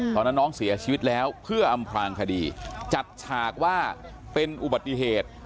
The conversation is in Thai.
ตอนนั้นน้องเสียชีวิตแล้วเพื่ออำพลางคดีจัดฉากว่าเป็นอุบัติเหตุ